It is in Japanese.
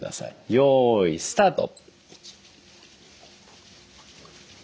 よいスタート！